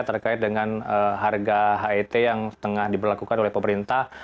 terkait dengan harga het yang tengah diberlakukan oleh pemerintah